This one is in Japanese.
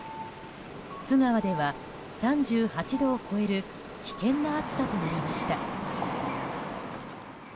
津川では３８度を超える危険な暑さとなりました。